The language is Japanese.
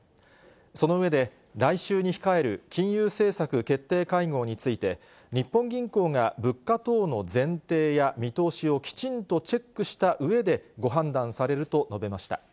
その上で、来週に控える金融政策決定会合について、日本銀行が物価等の前提や見通しをきちんとチェックしたうえで、ご判断されると述べました。